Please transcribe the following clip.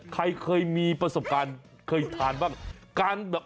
ใครเคยมีประสบการณ์เคยทานบ้าง